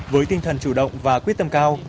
với tinh thần chủ động và quyết tâm cao